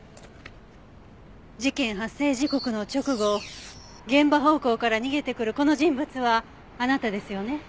事件発生時刻の直後現場方向から逃げてくるこの人物はあなたですよね？